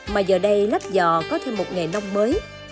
mà giờ đây lắp dò có thêm một nghề nông mới